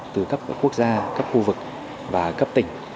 từ cấp quốc gia cấp khu vực và cấp tỉnh